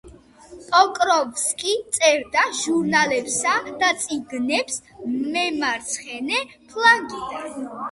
პოკროვსკი წერდა ჟურნალებსა და წიგნებს მემარცხენე ფლანგიდან.